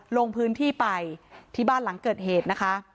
ลงพื้นที่ไปที่บ้านหลังเกิดเหตุนะคะ